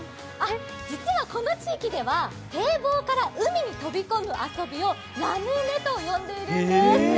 実はこの地域では堤防から海に飛び込む遊びをラムネと呼んでいるんです。